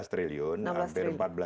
aset kita sekarang enam belas triliun